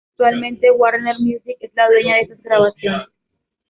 Actualmente Warner Music es la dueña de esas grabaciones.